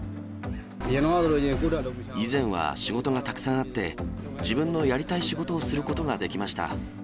以前は仕事がたくさんあって、自分のやりたい仕事をすることができました。